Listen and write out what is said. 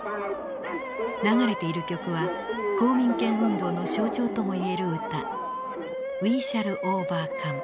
流れている曲は公民権運動の象徴ともいえる歌「ＷｅｓｈａｌｌＯｖｅｒｃｏｍｅ」